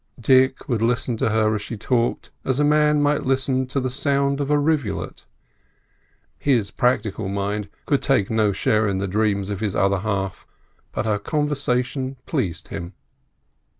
Dick would listen to her as she talked, as a man might listen to the sound of a rivulet. His practical mind could take no share in the dreams of his other half, but her conversation pleased him.